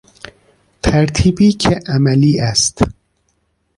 ترتیبی که عملی است